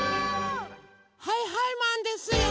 はいはいマンですよ！